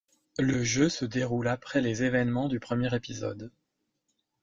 Le jeu se déroule après les événements du premier épisode.